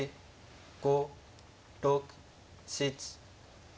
５６７。